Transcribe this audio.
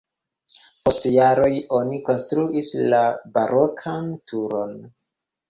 Post jaroj oni konstruis la barokan turon.